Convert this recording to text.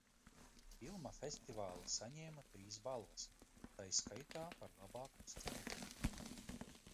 Filma festivālā saņēma trīs balvas, tai skaitā par labāko scenāriju.